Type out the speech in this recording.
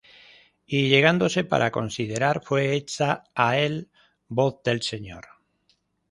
y llegándose para considerar, fué hecha á él voz del Señor: